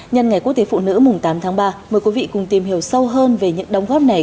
nhân ngày quốc tế phụ nữ mùng tám tháng ba mời quý vị cùng tìm hiểu sâu hơn về những đóng góp này